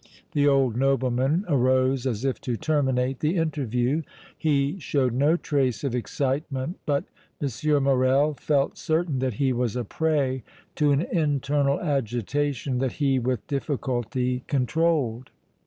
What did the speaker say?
The old nobleman arose as if to terminate the interview. He showed no trace of excitement, but M. Morrel felt certain that he was a prey to an internal agitation that he with difficulty controlled.